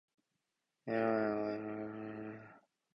インフィールドフライを落として油断しないで下さい。